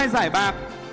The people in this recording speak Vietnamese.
hai giải bạc